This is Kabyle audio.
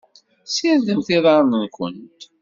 Ssirdemt iḍarren-nwent.